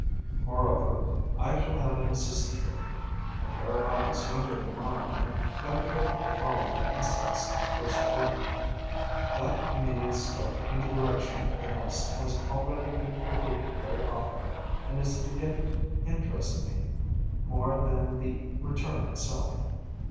Moreover, I shall have an assistant with me, a pair of eyes younger than mine and better fitted to follow my insects' first flight. That immediate start in the direction of the nest has already been repeated very often and is beginning to interest me more than the return itself.